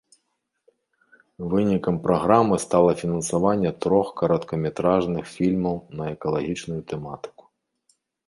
Вынікам праграмы стала фінансаванне трох кароткаметражных фільмаў на экалагічную тэматыку.